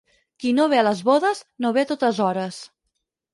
Qui no ve a les bodes, no ve a totes hores.